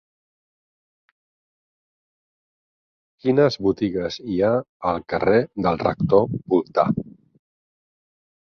Quines botigues hi ha al carrer del Rector Voltà?